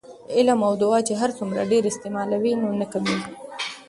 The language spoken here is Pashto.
علم او دعاء چې هرڅومره ډیر استعمالوې نو نه کمېږي